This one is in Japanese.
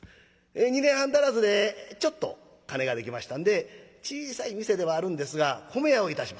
２年半足らずでちょっと金ができましたんで小さい店ではあるんですが米屋をいたします。